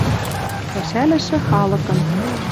Пӓшӓлӹшӹ халыкын